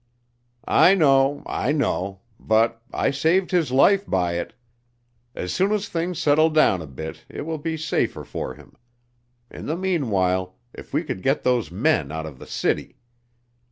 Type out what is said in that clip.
"I know, I know. But I saved his life by it. As soon as things settle down a bit it will be safer for him. In the meanwhile, if we could get those men out of the city.